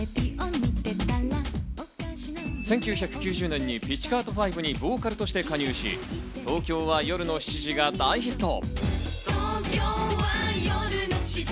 １９９０年にピチカート・ファイブにボーカルとして加入し、『東京は夜の七時』が大ヒット。